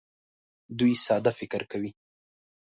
دوی ساده فکر کوي.